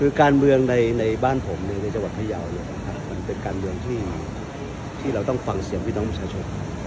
คือการเมืองในบ้านผมในจังหวัดพยาวมันเป็นการเมืองที่เราต้องฟังเสียงพี่น้องประชาชน